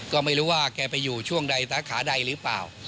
ก็ไม่รู้ว่าแกไปอยู่ช่วงใดสาขาใดหรือเปล่า